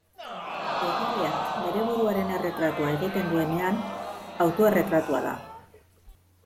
Egileak bere buruaren erretratua egiten duenean, autoerretratua da.